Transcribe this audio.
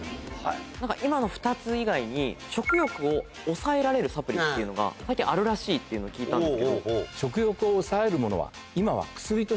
今の２つ以外に食欲を抑えられるサプリっていうのが最近あるらしいっていうのを聞いたんですけど。